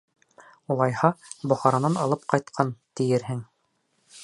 — Улайһа, Бохаранан алып ҡайтҡан, тиерһең.